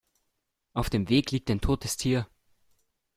Auf dem Weg liegt ein totes Tier.